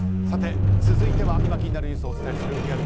さて、続いては今気になるニュースをお伝えするＲｅａｌＴｉｍｅ。